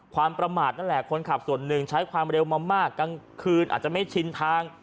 ความประมาทนั่นแหละคนขับส่วนหนึ่งใช้ความเร็วมามากกลางคืนอาจจะไม่ชินทาง